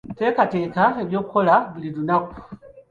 Teekateeka eby'okukola buli lunaku.